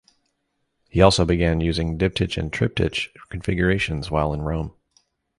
He also began using diptych and triptych configurations while in Rome.